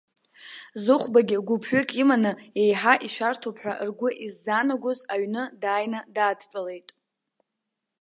Зыхәбагьы гәыԥҩык иманы, еиҳа ишәарҭоуп ҳәа ргәы иззаанагоз аҩны дааины даадтәалеит.